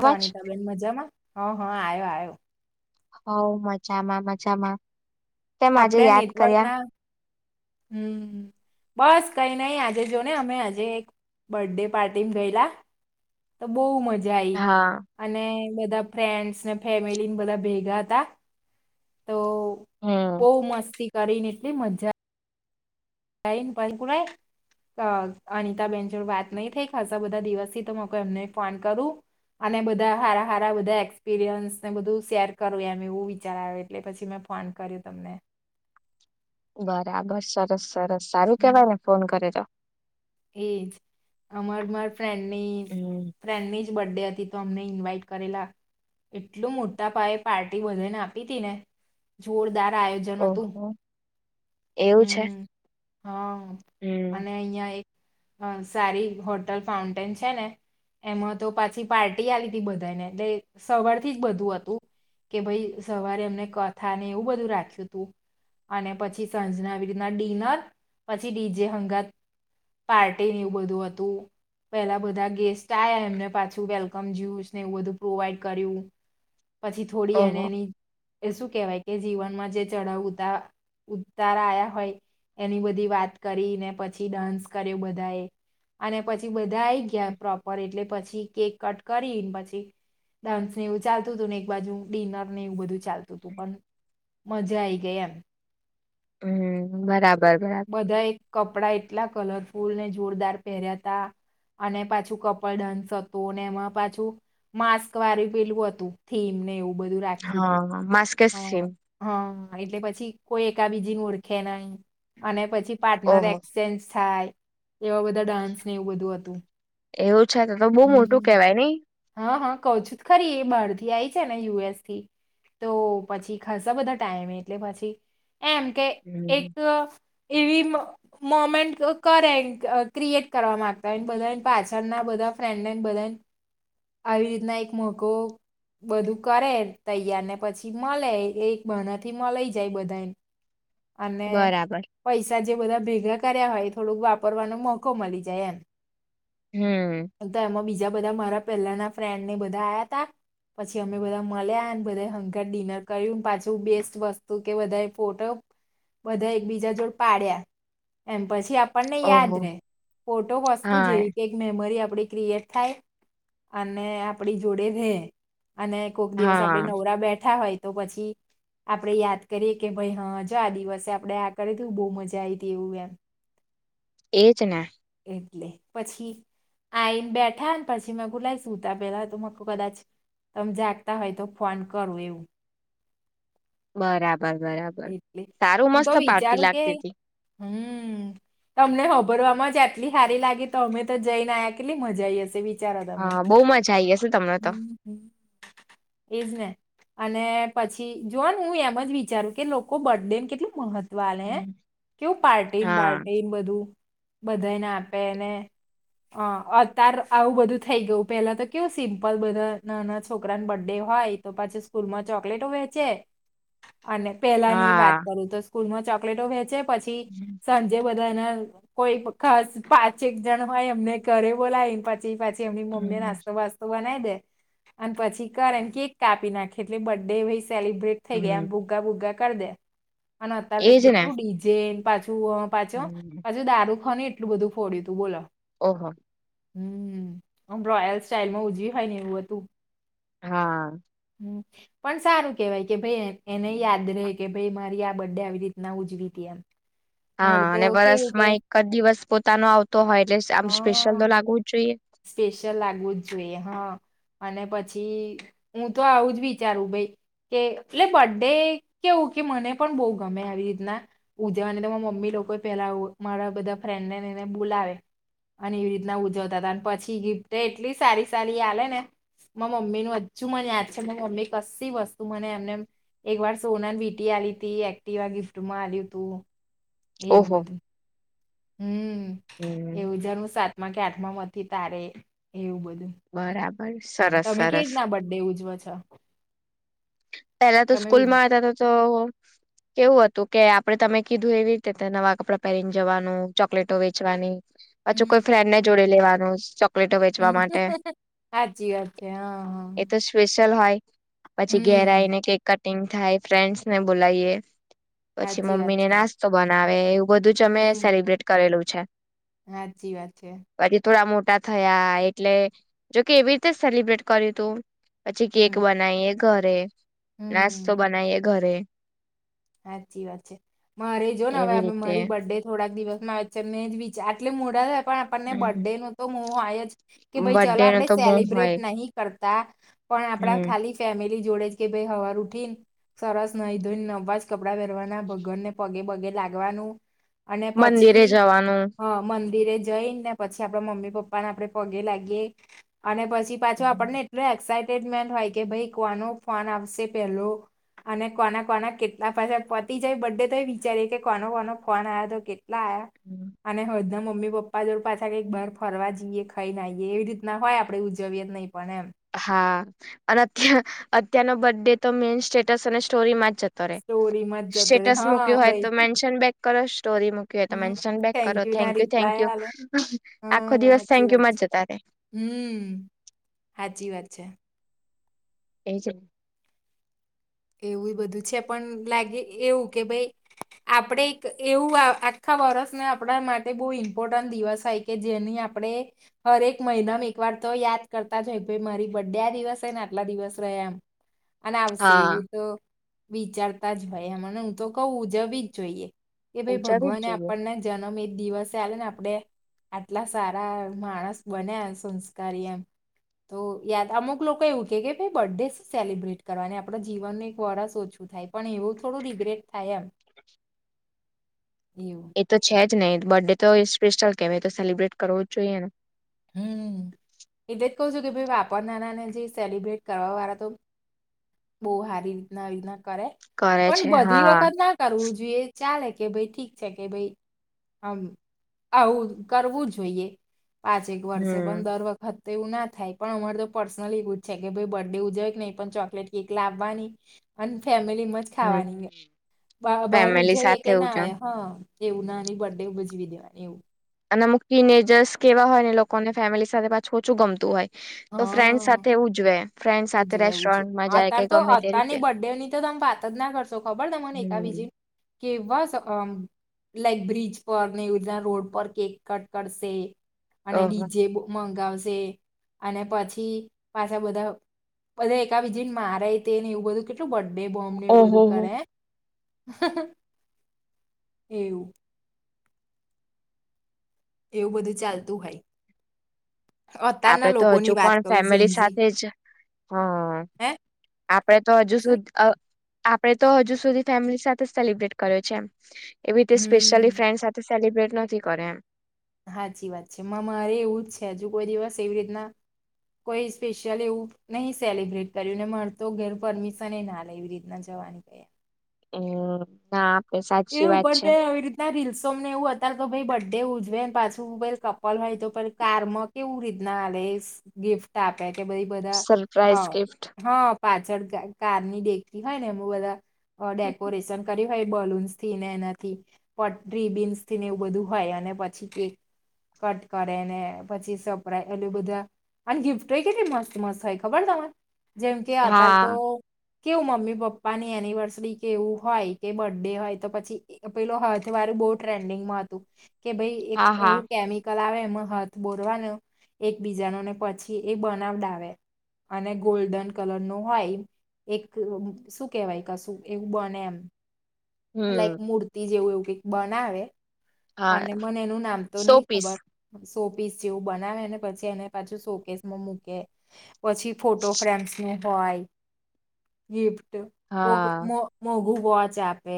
અવાજ બેન મજામાં હ હા આવ્યો આવ્યો હ મજામાં મજામાં કેમ આજે આપડે યાદ નેટવર્ક કર્યા ના હમ બસ કઈ નઈ આજે જો ને અમે આજે એક બર્થડે પાર્ટી ગયેલા તો બહુ મજા આઈ હા અને બધા ફ્રેન્ડસ ને ફેમિલીને બધા ભેગા તા તો હમ બહુ મસ્તી કરીને એટલી મજા કઈન પણકુને અહ અનિતા બેેન જોડું વાત નહી થઈ ખાસ બધા દિવસથી તો એમને ફોન કરું અને બધા હારા સારા બધા એક્સપિરિયન્સ ને બધું શેર કરું એમ એવું વિચાર્યું એટલે પછી મેં ફોન કર્યું તમને. બરાબર સરસ સરસ સારું કેવાય ને ફોન કર્યું તો. એજ અમાર માર ફ્રેન્ડની હમ ફ્રેન્ડની બર્થડે હતી તો અમને ઇન્વાઈટ કરેલા એટલું મોટા પાયે પાર્ટી બધેને આપી તી ને જોરદાર રા આયોજન હતું ઓહો એવું છે હમ્મ. હા હમ અને અહિયાં એક અહ સારી હોટલ ફાઉન્ટેન છે ને એમાં તો પાછી પાર્ટી આલી હતી બધાને એટલે સવાર થી જ બધું હતું. કે ભઈ સવારે એમને કથા ને એવું બધું રાખ્યું તું અને પછી સંજનાવી રીતના ડીનર પછી ડીજે હંગાત પાર્ટીને એવું બધું હતું. પેલા બધા ગેસ્ટ આયા એમને પાછું વેલકમ જયુસ ને એવું બધું પ્રોવાઈડ કર્યું પછી થોડી એને ઓહો એની એ શું કેહેવાય કે જીવનમાં જે ચઢાવ ઉતા ઉતાર આયા હોય એની બધી વાત કરીને પછી ડાન્સ કર્યું બધા એ અને પછી બધા આઈ ગયા પ્રોપર એટલે પછ છી કેક કટ કરીન પછી ડાન્સ ને એવું ચાલતું હતું ને એક બાજુ ડિનર ને એવું બધું ચાલતું હતું પણ મજા આઈ ગઈ એમ. હમ્મ, બરાબર બરા કપડા એટલા કલરફુલ ને જોરદાર પહેર્યા તા અને પાછું કપલ ડાન્સ હતું અને એમાં પાછું માસ્ક વાળું પેલું હતું થીમ ને એવું બધું રાખ્યું તું. હા માસ્કેસ હ, સીમ હા હા એટલે પછી કોઈ એકાબીજી ઓળખે નહિ અને પછી પાર્ટનર ઓહો એક્સચેન્જ થાય એવા બધા ડાન્સ ને એવું બધું હતું. એવું છે તો તો બહુ હમ્મ, મોટું હમ્મ. કેવાય નઈ હા હા કહું છું ખરી એ બારથી આઈ છે ને યુ એસ થી તો પછી ખાસા બધા ટાઈમે એટલે પછી એમ કે એક હમ અહ એવી મ-મોમેન્ટ કરે ક્રિ-ક્રિએટ કરવા માંગતા હો બધા પાછળના બધા આ ફ્રેન્ડને બધા આવી રીતના એક મોકો બધું કરે તૈયાર ને પછી મલે એ બનાથી મલાઈ જાય બધા અને બરાબર પૈસા જ જે બધા ભેગા કર્યા હોય થોડુંક વાપરવાનો મોકો મલી જાય એમ. હમ તો એમાં બીજા બધા મારા પેલાના ફ્રેન્ડ ને બધા આયા તા પછી અમે બધા મલ્યા ને બધા હંકાર ડિનર કર્યું પાછું બેસ્ટ વસ્તુ કે બધા એ ફોટો બધા એક બીજા જોડ પાડ્યા એમ પછી આપ પણને યાદ ઓહો રે ફોટો વસ્તુ હા જેવી કઈક મેમરી આપડી ક્રિએટ થાય અને આપડી જોડે રે અને કોક દિવસ આપડે હા નવરા બેઠા હોય તો પછી આપદે યાદ કરીએ કે ભાઈ હા જો આ દિવસે આપડે આ કરયુ તું બોહ મજા આઈ તી એવું એમ [inaudible] એજ ને એટલે પછી આઈને બેઠા પછી પછી મેં કે લાઈ સુતા પેલા તો મે કુ કદાચ તમે જાગતા હોય તો ફોન કરુ એવું. બરાબર બરાબર, એટલે સારું હું તો મસ્ત પાર્ટી વિચારું કે લાગતી હતી. હમ્મ. તમને હોભરવામાં જ આટલી સારી લાગી તો અમે તો જઈને આયા કેટલી મજા આવી હશે. વિચારો તમે હા બહુ મજા આઈ હશે તમને તો. એજને. અને પછી જોને હું એમ જ વિચારું કે લોકો બડેને કેટલું મહત્વ વાલે હમ કેવું પાર્ટી ને હા પાર્ટી ને બધું. બધાને આપેને, અતાર આવું બધું થઈ ગયું પેલા તો કેવું સિમ્પલ બધા નાના છોકરાને બર્થ ડે હોય તો પાછી સ્કૂલ માં ચોકલેટ વેચ વેચે છેે. અને પેલા ની વાત હા કરું તો સ્કૂલમાં ચોકલેટો વેચે પછી, હમ સાંજે બધા ના કોઈ ખાસ પાચેક જણ હોય એમને ઘરે બોલાયને પાછી પાછ જેમની મમ્મીને હમ નાસ્તો વાસ્તો બનાય ે અને પછી કર એને કેક કાપી નાખે એટલે બર્ ડે સેલિબ્રેટ થઈ ગયા એમ હમ. ભુગ્ગા ભુગ્ગા કરી દે, અને અત્યારે તો એજ ને કેટલું ડિઝેન પાછો, હમ. પાછું દારૂ ફ એટલું બધું ફોડ્યું તું બોલો. ઓહ. હમમ્, બ્રોયલ સ્ટાઈલ માં ઉજવી હોય ને એવું હતું. હા. પણ સારું કેવાય કે ભાઈ એને યાદ રહે કે ભાઈ મારી આ બર્ડે આવી રીતના ઉજવી હતી એમ. મારે હા તો અને કેવું કે વરસમાં એક જ દિવસ પોતાનો આવતો હોય એટલે આમ સ્પેશિયલ તો હા લાગવું જ જોઈએ. સ્પેશિયલ લાગવું જ જોઈએ હા. અને પછી હું તો આવુંજ વિચારું ભાઈ. કે એટલે બર્ ડે કેવું કે મને પણ બહુ ગમે આવી રીતના, ઉજવવાને તમા મમ્મી લોકો પેલા મારા બધા ફ્રેન્ડનેને બોલાવે, અને એવી રીતના ઉજવતા હતા. પછી ગિફ્ટ એટલી સારી સારી આલે ને. મા મમ્મીનું હજુ મને યાદ છે મમ્મી કશી વસ્તુ મને એમને એકવાર સોના વીટી લી ત એક્ટિવ ગિફ્ટમાં આલ્યું તું. એવું ઓહો બધું, હમ, હમ એવું જારું સાતમામાં કે આ માં તારે એવું બધું બરાબર. એમ સરસ તમે કે જ સરસ ના બર્ ડે ઉજવો છો. પેલા તો તમે સ્કૂલ ઉજ માં હતા તો તો કેવું હતું કે આપડે તમે કીધું એવી રીતે નવા કપડાં પહેરીને જવાનું ચોકલેટો વેચવાની. પાછું કોઈ ફ્રેન્ડ ને જોડી લેવાનું. ચોકલેટો હ વેચવા માટે સાચી વાત છે હા હા. એ તો સ્પેશિયલ હોય પછી હમ ઘેરાયને કેક કટિંગ થાય ફ્રેન્ડસને બોલાવીએ. પછી સાચી વાત મમ્મી ને છે નાસ્તો બનાવે એવું બધું જ અમે સેલિબ્રેટ કરેલું છે. હા સાચી વાત છે. ટા થયા એટલે, જોકે એવી રીતે સેલિબ્રેટ કર્યું તું, પછી કેક હમ બનાય. ઘરે, હમ નાસ્તો બનાઈએ ઘરે. સાચી વાત છે મારે જો ને એવી હવે રીતે મારી બર્ડે થોડાક દિવસ મા વચ્ચન ને જ વિચાર એટલે મૂડા પણ આપણને બર્થડે નું તો મો આય જ કે હમ ભાઈ ચલો બર્થડે આપણે ન તો બહુ સેલિબ્રેટ હોય નહી કરતા, પણ આપડા હમ ખાલી ફેમિલી જોડે જ કે ભાઈ હવાર ઉઠી ને, સરસ નહી ધોઈને નવાજ કપડાં પહેરવાના ભગન ને પગે બગે લાગવાનું. અને પછી, મંદિરે જવાનું હ મ ધીરે જઈને પછી આપડ મમ્મી પપ્પાને આપડે પગે લાગીએ. અને પછી પાછો આપણને એટલે એક્સાટ જ મે હોય કે ભાઈ કોનો ફોન આવશે પેલો, અને કોના કોના કે ના પાછા પતી જાય બ્ડે તોયે વિચારીએ કે કોનો કોનો ફોન આયો તો કેટ લા આયા અને હળદમા મમ્મી પપ્પા જોડ પાછા કંઈક બાર ફરવા જઈએ ખાઈ ને આયે એવી રીતના હોય આપણેે ઉજવીએ જ નહીં પણ એમ હા અને અત અત્યારનો બડે તો મેન સ્ટેટસ અને સ્ટોરી માં જ જતો રે સ્ટોરીમાં જ જતો રહે સ્ટેટ્સ હા મૂકયું હોય ભાઈ તો મેનશન બેક કરો સ્ટોરી મૂકી હોય તો હમ મેન્શન બેક કરો થેન્ક યુ ના થેન્કયુ થેન્ક રિપ્લાય યુ આલે હા આખો દિવસ સાચી વાત થેન્કયુમા જ જતા રે હમ હાચી વાત છે એ છે એવું બધું છે પણ લાગે એવું કે ભઈ આપડ એવું આખા વર્ષ આપ માટે બહ ઇમ્પોર્ટન્ટ દિવસ હોય કે જેની આપણે હરેક મહિનામાં એકવાર તો યા યાદ કરતા જહોય ભઈ મારી બર્ડે આ દિવસ છે ને આટલા દિવસ રહયા અને આવશે હા એવું તો વિચારતા જ હોયે એમને હું તો કઉ ઉજવી જ જોઈએ કે ભઈ ઉજાવી જ ભગવાને જોઈએ આપણને જન્મ એજ દિવસે આવેલે ને આપડે આટલા સારા માણસ બનયા સંસ્કારી એમ તો યાદ અમુક લોકો એવું કે કે ભે બર્થડે શું સેલિબ્રેટ કરવાની આપડો જ જીવનનું એક વરસ ઓછું થાય પણ એવું થોડું રિગ્રેટ થાય એમ [inaudible] એવું એ તો છે જ નહી બર્થડે તો એ સ્પેશિયલ કેમ તો સેલિબ્રેટ કરવો જ જોઈએ ને. હમ્મ, એટલે જ કહ છું કે ભાઈ વાપર નાના ને જે સેલિબ્રેટ કરવા વાળા તો બહુ હારી રીતના રીતના કરે કરે પણ છે બધી હા વખત ના કરવું જોઈએ ચાલે કે ભઈ ઠીક છે કે ભઈ આમ આવું કરવું જોઈએ પાંચ એક વર્ષે હમ પણ દર વખત તે એવું ના થાય પણ અમાર તો પર્સનલ ગુજ છે કે ભાઈ બર્થ ડે ઉજવે કે નહીં પણ ચોકલેટ એક લાવવાની અન ફેમિલીમાં જ હમ ખાવાની બહા-બહાર ફેમિલી ઉજવીએ કે સાથે ના ઉજવ આવે હા એવું નાની બર્ડે ભજવી દેવાની એવું. અનેમુક ટીને એજર્સ કેવા હોય ને લોકોને ફેમિલી સાથે પાછું ઓછું ગમતું હોય. તો ફ્રેન્ડ હા સાથે ઉજવે ફ્રેન્ડ સાથે ઉજવે ઉજવે રેસ્ટોરન્ટમાં જાય કે ગમે તે રીતે અમ્મ વાત જ ના કરશો ખબર ત મને એકા હમ બીજી કે બસ અમ્મ લાઈક બ્રિજ પર ને ઉધના રોડ પર કેક કટ કરશે અને ઓહ ડીજે મ-મંગાવશે અને પછી પાછા બધા બધા એકા બીજીને મારે તે ને એવું બધું કેટલું બ ડે બોમ્બ ને એવું ઓહો બધું હો કરે, એવું. એવું બધું ચાલતું હોઈ. આપડે તો હજુ પણ ફેમિલી સાથે જ હા હે આપડે તો હજુ સુધ અહ આપડે તો હજુ સુધી ફેમિલી સાથે સેલિબ્રેટ કર્યો છે એમ. એવી રીતે સ્પેશ્યયલી હમ ફ્રેન્ડ સાથે સેલિબ્રેટ નથી કરે એમ. હાચી વાત છે માં મારે એવું જ છે હજુ કોઈ દિવસ એવી રીતના કોઈ સ્પેશિયલ એવું નહી સેલિબ્રેટ કર્યું ને મળતો ઘેર પરમિશન એ ના લે એવી રીતના જ વાની ગઈ આ. હમ્મ, ના આપે એ સાચી વાત ઉપર તે છે આવી રીતના રીલસોને એવું હતા તો ભાઈ બર ડે ઉજવે ને પાછું ઉ કપલ હોય તો પે કારમાં કેવું રીતના ના આલે એસ ગિફ્ટ આપે. તે ભઈ બધા સરપ્રાઈઝ અહ ગિફ્ટ હા પાછળ ક-કારની ડેકી હોય ને એમું બધા અહ ડેકોરેશન કરી હોય બલૂન્સ થી ને એનાથી પટ્રી બીન્સ થીને એવું બધું હોય અને પછી કેક કટ કરે ને પછી સપરાય એટલે બધા અને ગિફ્ટોય કેટલી મસ્તી મસ્ત હોય ખબર તમારે જેમ કે અત્યારે તો હા કેવું મમ્મી પપ્પાની એનિવર્સરી કે એવું હોય કે બર્થડે હોય તો પછી એ પેલું હથ વારું બહુ ટ્રેન્ડિંગમાં હતું કે ભાઈ એક હા હા એવું કેમિકલ આવે માં હાથ બોરવાનો એક બીજાનો ને પછી એ બનાવડાવે. અને ગોલ્ડન કલર નો હોય. એક શું કેવાય કશું એવું બને એમ. હમ લાઈક મૂર્તિ જેવું એવું કઈક બનાવે હા અને મને એનું નામ તો સો નહી પીસ ખબર [inaudible] સો પીસ જેવું બનાવેને પછી એને પાછું સો કેસમાં મૂકે. પછી ફોટો ફ્રેમ્સ નું હોય ગિફ્ટ કોક હા મોઘું વોચ આપે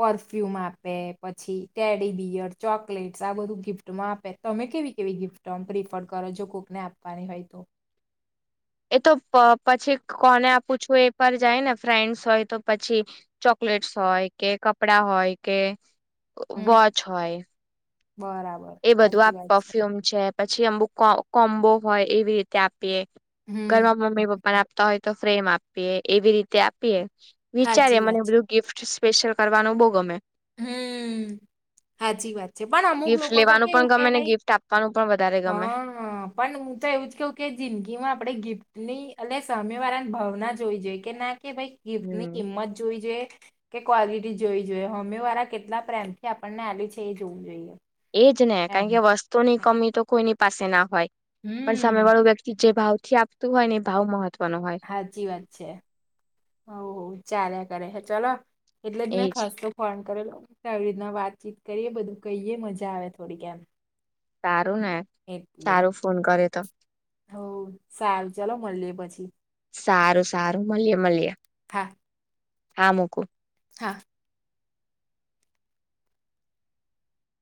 પરફ્યુમ આપે પછી ટેડી બિયર ચોકલેટસ આ બધું ગિફ્ટમાં આપે તમે કેવી કેવી ગિફ્ટ આમ પ્રિફર કરો જો કોકને આપવાની હોય તો? એ તો પ-પછી કોને આપું છું એ પર જાય ને ફ્રેન્ડ્સ હોય તો પછી ચોક લેટસ હોય કે કપડા હોય કે હમ વોચ હોય બરાબર એ બધું સાચી આ વાત પરફ્યુમ છે પછી અંબુક કો-કોમ્બો હોય એવી રીતે આપ પીએ ઘર હમ માં મમ્મી પપ્પા ને આપતા હોય તો ફ્રેમ આપીએ એવી રીતે આપીએ સાચી વિચારી મને વાત બલું ગિફ્ટ સ્પેશિયલ કરવાનું બહુ ગમે. હેઈ હાચી વાત છે પણ અમુક ગિફ્ટ લેવાનું પણ ગમેને ગિફ્ટ આપવાનું પણ વધારે ગમે હં, હં પન ઉં તો એવું જ કેઉ કે જિંદગી માં આપણે ગિફ્ટની અને સામેવારાની ભાવના જોવી જોઈએ કે ના કે ભાઈ ગિફ્ટની હમ કિંમત જોવી જોઈએ કે ક્વોલિટી જોવી જોઈએ હોમીવારા કેટલા પ્રેમથી આપણને આલી છે એ જોવું જોઈએ. એજ ને કાણ કે એમ વસ્તુની કમી તો કોઈની પાસે ના હોય. પણ સામે હમ વાળું વ્યક્તિ જે ભાવથી આપતું હોય ને એ ભાવ મહત્ હાચી વાત છે હઉ ચાલ્યા કરે છે હે ચલો એટલે જ મેં એજ ખાસતો ફોન કરેલો કે આવી રીતના વાતચીત કરીએ બધું કહીએ મજા આવે થોડીક એમ સારું ને સારું ફોન કરે તો હઉ સારું ચાલો મલ્યે પછી સારું સારું મલ્યે મલ્યે હા હા મૂકું. હા.